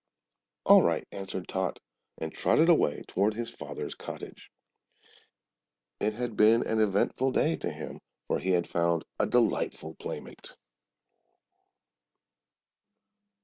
"All right!" answered Tot, and trotted away toward his father's cottage. It had been an eventful day to him, for he had found a delightful playmate.